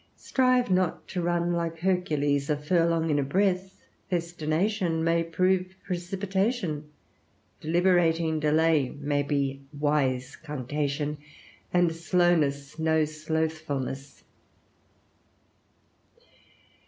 Strive not to run, like Hercules, a furlong in a breath: festination may prove precipitation; deliberating delay may be wise cunctation, and slowness no slothfulness.